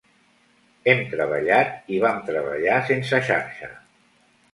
Hem treballat i vam treballar sense xarxa.